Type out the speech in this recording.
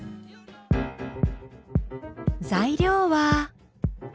材料は。